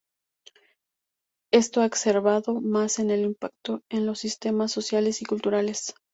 Esto ha exacerbado más el impacto en los sistemas sociales y culturales.